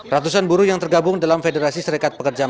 ratusan buruh yang tergabung dalam federasi serikat pekerja